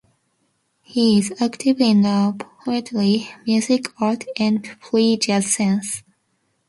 He is active in the poetry, music, art, and free jazz scene.